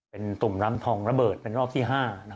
ก็เลยต้องมาไลฟ์ขายของแบบนี้เดี๋ยวดูบรรยากาศกันหน่อยนะคะ